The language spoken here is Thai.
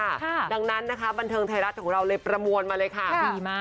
ดังนั้นนะคะบันเทิงไทยรัฐของเราเลยประมวลมาเลยค่ะดีมาก